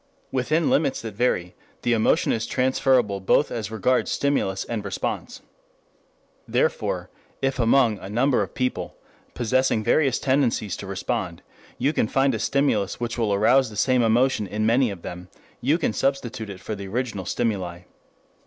Within limits that vary, the emotion is transferable both as regards stimulus and response. Therefore, if among a number of people, possessing various tendencies to respond, you can find a stimulus which will arouse the same emotion in many of them, you can substitute it for the original stimuli.